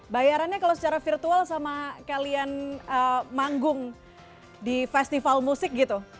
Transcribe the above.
bayarannya kalau secara virtual sama kalian manggung di festival musik gitu